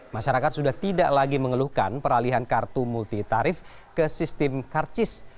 masyarakat sudah tidak lagi mengeluhkan peralihan kartu multi tarif ke sistem karcis